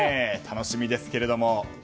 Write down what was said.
楽しみですけれども。